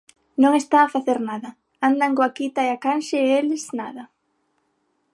Non está a facer nada, andan coa quita e a canxe e eles, nada.